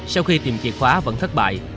sau khi tìm chìa khóa vẫn thất bại